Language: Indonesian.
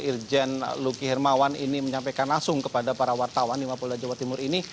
irjen luki hermawan ini menyampaikan langsung kepada para wartawan di mapolda jawa timur ini